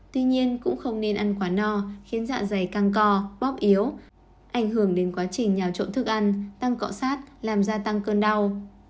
tuy nhiên cũng không nên ăn quả no khiến dạ dày càng co bóp yếu ảnh hưởng đến quá trình nhào trộn thức ăn tăng cọ sát làm gia tăng cơn đau